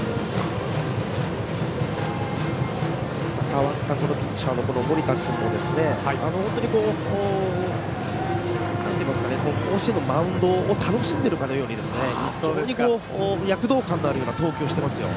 代わったピッチャーの森田君も本当に甲子園のマウンドを楽しんでいるかのように非常に躍動感のあるような投球をしていますよ。